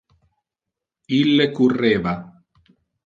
Ille curreva.